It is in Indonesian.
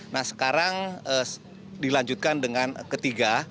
nah sekarang dilanjutkan dengan ketiga